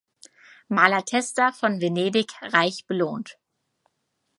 Malatesta von Venedig reich belohnt.